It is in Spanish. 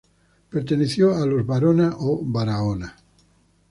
Perteneció a los Varona o Barahona.